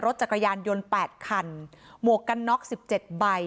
จักรยานยนต์๘คันหมวกกันน็อก๑๗ใบ